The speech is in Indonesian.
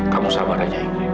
kamu sabar aja